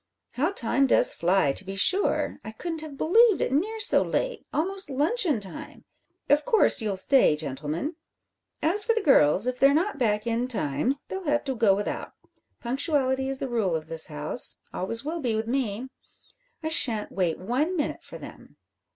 How time does fly, to be sure! I couldn't have believed it near so late almost luncheon time! Of course you'll stay, gentlemen? As for the girls, if they're not back in time they'll have to go without. Punctuality is the rule of this house always will be with me. I shan't wait one minute for them."